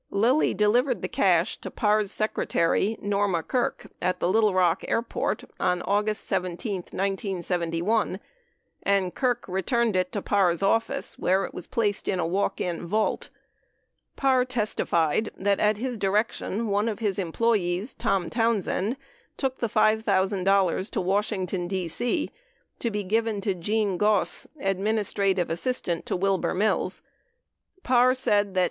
Lilly delivered the cash to Parr's secretary, Norma Kirk, at the Little Rock Airport on August 17, 1971, and Kirk returned it to Parr's office where it was placed in a walk in vault. Parr testi fied that at his direction, one of his employees, Tom Townsend, took the $5,000 to Washington, D.C. to be given to Gene Goss, adminis trative assistant to Wilbur Mills. Parr said that.